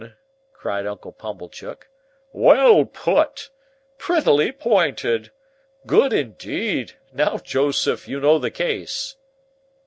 cried Uncle Pumblechook. "Well put! Prettily pointed! Good indeed! Now Joseph, you know the case."